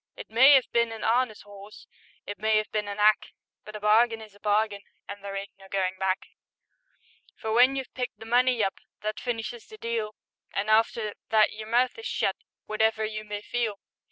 It may 'ave been an' 'arness 'orse, It may 'ave been an 'ack, But a bargain is a bargain, An' there ain't no goin' back; For when you've picked the money up, That finishes the deal, And after that your mouth is shut, Wotever you may feel.